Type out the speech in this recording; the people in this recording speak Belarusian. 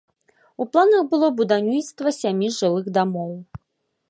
У планах было будаўніцтва сямі жылых дамоў.